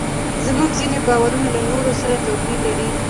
زموږ ځینې باورونه له نورو سره توپیر لري.